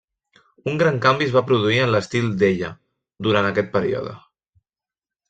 Un gran canvi es va produir en l'estil d'Ella durant aquest període.